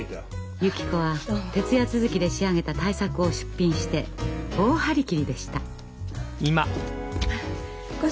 ゆき子は徹夜続きで仕上げた大作を出品して大張り切りでした。